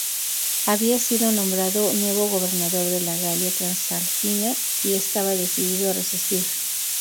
Había sido nombrado nuevo gobernador de la Galia Transalpina y estaba decidido a resistir.